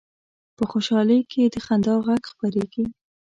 په خوشحالۍ کې د خندا غږ خپرېږي